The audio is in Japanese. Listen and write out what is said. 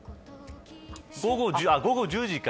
午後１０時か。